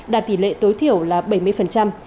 đạt tỷ lệ tối thiểu là bảy mươi